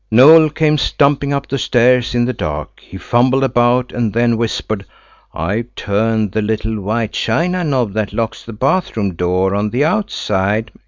Noël came stumping up the stairs in the dark. He fumbled about and then whispered, "I've turned the little white china knob that locks the bath room door on the outside."